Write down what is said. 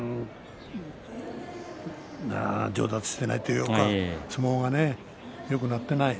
上達してないというか相撲がね、よくなっていない。